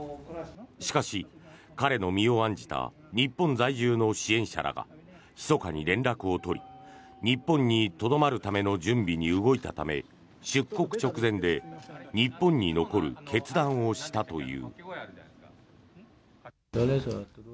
しかし、彼の身を案じた日本在住の支援者らがひそかに連絡を取り日本にとどまるための準備に動いたため出国直前で日本に残る決断をしたという。